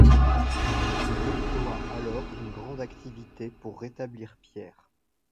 Il déploie alors une grande activité pour rétablir Pierre.